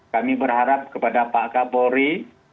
kami berharap kepada pak kak polri